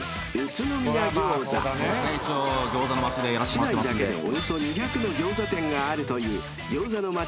［市内だけでおよそ２００の餃子店があるという餃子の街